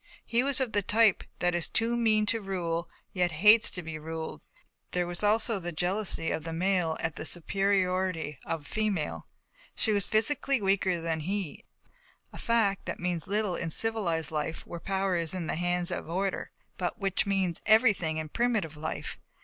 He was of the type that is too mean to rule, yet hates to be ruled. There was also the jealousy of the male at the superiority of the female. She was physically weaker than he, a fact that means little in civilized life where power is in the hands of Order, but which means everything in primitive life.